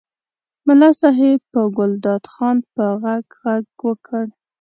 ملا صاحب په ګلداد خان په غږ غږ وکړ.